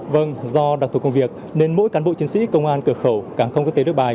vâng do đặc thủ công việc nên mỗi cán bộ chiến sĩ công an cửa khẩu cảng không quốc tế đức bài